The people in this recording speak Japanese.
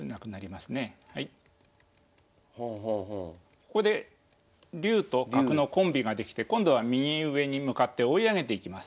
ここで竜と角のコンビができて今度は右上に向かって追い上げていきます。